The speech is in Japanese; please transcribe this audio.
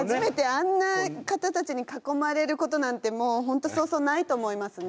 あんな方たちに囲まれることなんてもう本当そうそうないと思いますね。